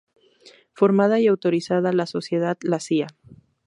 Formada y autorizada la sociedad, la Cía.